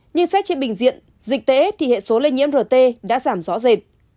nhưng xét trên bình diện dịch tễ thì hệ số lây nhiễm rt đã giảm rõ rệt